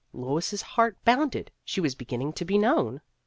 Lois's heart bounded ; she was beginning to be known.